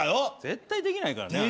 絶対できないから。